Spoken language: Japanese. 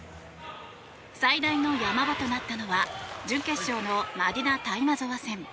最大の山場となったのは準決勝のマディナ・タイマゾワ戦。